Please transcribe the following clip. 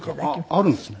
あるんですね。